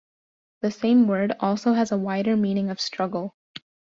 The same word has also a wider meaning of "struggle".